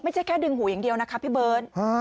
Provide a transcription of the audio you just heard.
ไม่ใช่แค่ดึงหูอย่างเดียวนะคะพี่เบิร์ต